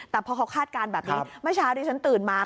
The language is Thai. แต่พอเขาคาดการณ์แบบนี้เมื่อเช้าที่ฉันตื่นมา